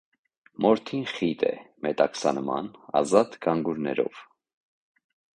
Մորթին խիտ է, մետաքսանման, ազատ գանգուրներով։